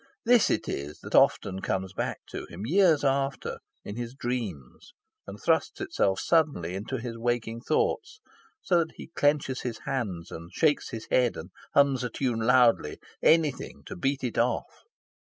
This it is that often comes back to him, years after, in his dreams, and thrusts itself suddenly into his waking thoughts, so that he clenches his hands, and shakes his head, and hums a tune loudly anything to beat it off.